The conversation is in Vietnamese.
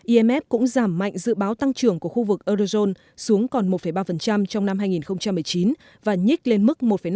imf cũng giảm mạnh dự báo tăng trưởng của khu vực eurozone xuống còn một ba trong năm hai nghìn một mươi chín